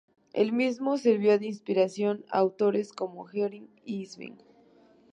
Él mismo sirvió de inspiración a autores como Henrik Ibsen.